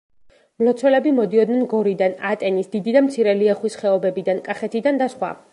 მლოცველები მოდიოდნენ გორიდან, ატენის, დიდი და მცირე ლიახვის ხეობებიდან, კახეთიდან და სხვა.